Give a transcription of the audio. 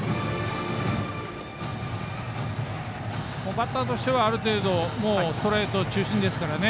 バッターとしてはある程度ストレート中心ですからね。